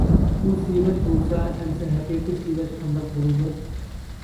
ئۇ سىيلاش بولسا ئەمسە ھەقىقىي سىيلاش قانداق بولىدۇ؟ ؟!